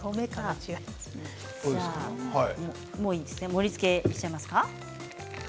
盛りつけしちゃいますか？